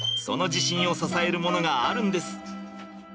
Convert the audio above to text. その自信を支えるものがあるんです。